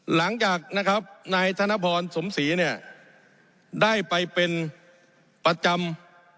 หลังจากนะครับนายธนพรสมศรีเนี่ยได้ไปเป็นประจำ